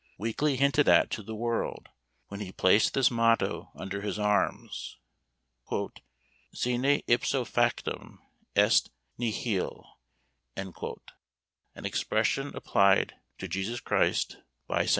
weakly hinted at to the world when he placed this motto under his arms "Sine ipso factum est nihil;" an expression applied to Jesus Christ by St. John!